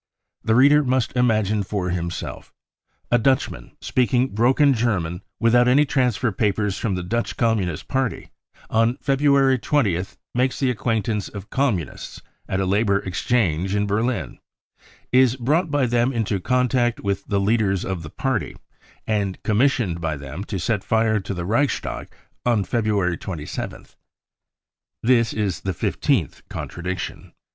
The reader must imagine for himself : a Dutchman, speaking broken German, without any transfer papers from the Dutch Communist Party, on February 20th makes the acquaintance of Communists at a labour exchange in Berlin, is brought by them into 'contact with the leaders of the , party, and commissioned by them to set fire to the Reich stag on February 27th 1 This is th£ fifteenth contradiction.